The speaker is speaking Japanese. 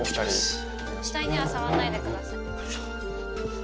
死体には触んないでください。